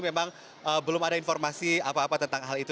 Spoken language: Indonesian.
memang belum ada informasi apa apa tentang hal itu